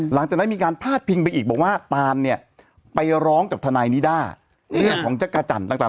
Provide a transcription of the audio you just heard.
หลังจากนั้นมีการพาดพิงไปอีกบอกว่าตานเนี่ยไปร้องกับทนายนิด้าเรื่องของจักรจันทร์ต่าง